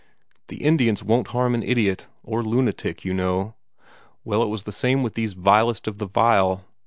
The Indians won't harm an idiot, or lunatic, you know. Well, it was the same with these vilest of the vile.